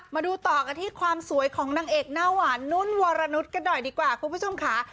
มาดูต่อกันที่ความสวยของนางเอกหน้าหวานนุ่นวรนุษย์กันหน่อยดีกว่าคุณผู้ชมค่ะ